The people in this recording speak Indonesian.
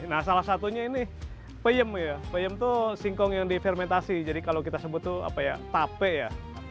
nah salah satunya ini peyem ya peyem tuh singkong yang difermentasi jadi kalau kita sebut tuh apa ya tape ya